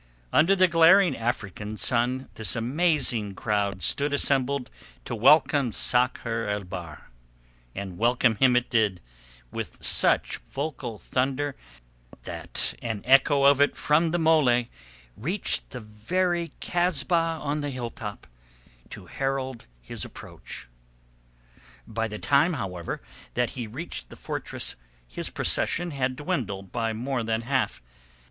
Under the glaring African sun this amazing crowd stood assembled to welcome Sakr el Bahr; and welcome him it did, with such vocal thunder that an echo of it from the mole reached the very Kasbah on the hilltop to herald his approach. By the time, however, that he reached the fortress his procession had dwindled by more than half.